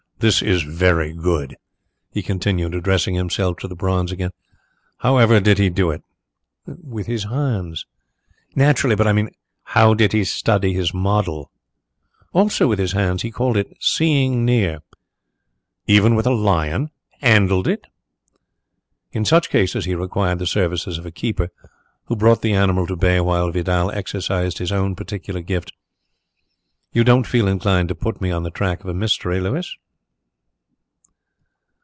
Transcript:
"This is very good," he continued, addressing himself to the bronze again. "How ever did he do it?" "With his hands." "Naturally. But, I mean, how did he study his model?" "Also with his hands. He called it 'seeing near.'" "Even with a lion handled it?" "In such cases he required the services of a keeper, who brought the animal to bay while Vidal exercised his own particular gifts ... You don't feel inclined to put me on the track of a mystery, Louis?"